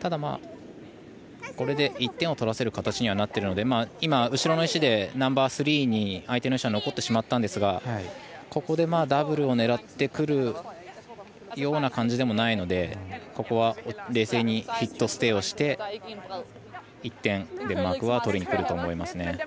ただ、これで１点を取らせる形にはなってるので今、後ろの石にナンバースリーに、相手の石は残ってしまったんですがここでダブルを狙ってくるような感じでもないのでここは冷静にヒットステイをして１点、デンマークは取りにくると思いますね。